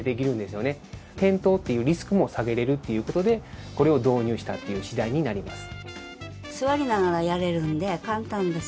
転倒っていうリスクも下げられるっていう事でこれを導入したっていう次第になります。